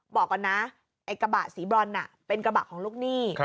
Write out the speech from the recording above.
บอกก่อนนะไอ้กระบะสีบรอนเป็นกระบะของลูกหนี้